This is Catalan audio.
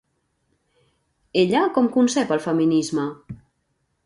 Ella com concep el feminisme?